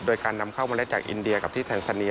โดยการนำเข้าเมล็ดจากอินเดียกับที่แทนซาเนีย